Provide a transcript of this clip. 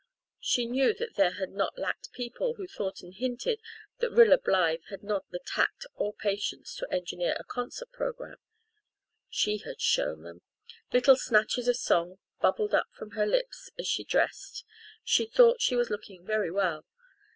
She knew that there had not lacked people who thought and hinted that Rilla Blythe had not the tact or patience to engineer a concert programme. She had shown them! Little snatches of song bubbled up from her lips as she dressed. She thought she was looking very well.